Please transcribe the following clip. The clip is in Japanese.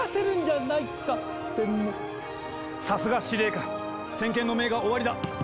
さすが司令官先見の明がおありだ。